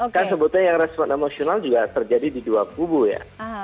karena sebutnya yang respon emosional juga terjadi di dua kubu ya